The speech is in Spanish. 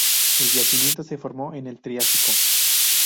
El yacimiento se formó en el Triásico.